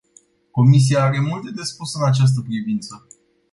Comisia are multe de spus în această privință.